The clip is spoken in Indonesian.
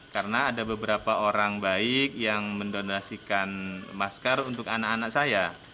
karena ada beberapa orang baik yang mendonasikan masker untuk anak anak saya